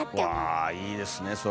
うわいいですね